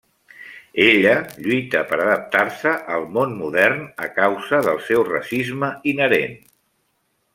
Ella lluita per adaptar-se al món modern a causa del seu racisme inherent.